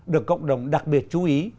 được cộng đồng đặc biệt chú ý